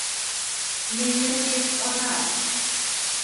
Ngiye kik olal